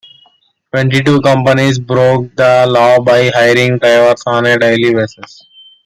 Twenty-two companies broke the law by hiring drivers on a daily basis.